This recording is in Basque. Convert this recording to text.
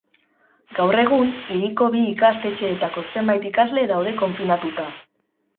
Gaur egun, hiriko bi ikastetxetako zenbait ikasle daude konfinatuta.